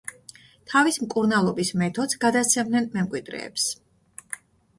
თავის მკურნალობის მეთოდს გადასცემდნენ მემკვიდრეებს.